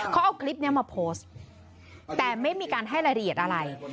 เขาเอาคลิปนี้มาโพสต์แต่ไม่มีการให้รายละเอียดอะไร